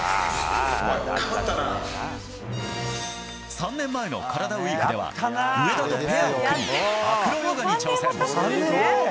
３年前のカラダＷＥＥＫでは上田とペアを組みアクロヨガに挑戦。